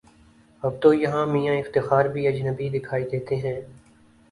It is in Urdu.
اب تویہاں میاں افتخار بھی اجنبی دکھائی دیتے ہیں۔